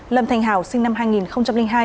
lâm thành hảo sinh năm hai nghìn hai